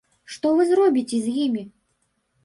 Што вы зробіце з імі?